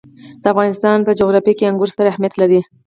د افغانستان په جغرافیه کې انګور ستر اهمیت لري.